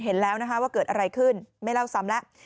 เห็นแล้วนะคะว่าเกิดอะไรขึ้นไม่เล่าซ้ำแล้ว